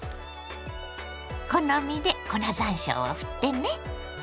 好みで粉ざんしょうをふってね。